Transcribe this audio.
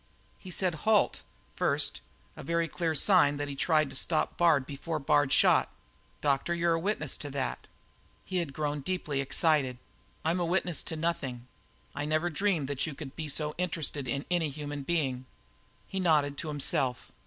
"He said 'halt!' first; a very clear sign that he tried to stop Bard before Bard shot. Doctor, you're witness to that?" He had grown deeply excited. "I'm witness to nothing. I never dreamed that you could be so interested in any human being." He nodded to himself.